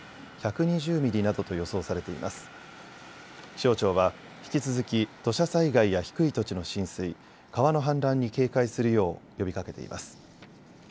気象庁は引き続き土砂災害や低い土地の浸水、川の氾濫に警戒するよう呼びかけています。